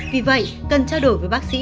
vì vậy cần trao đổi với bác sĩ